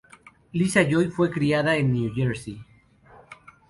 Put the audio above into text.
Lisa Joy fue criada en New Jersey.